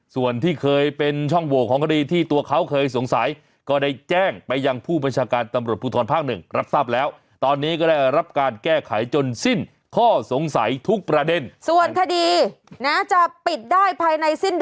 ส่วนที่เคยเป็นช่องโหว่ของคดีที่ตัวเขาเคยสงสัย